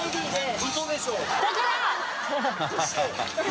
「ウソでしょ！？」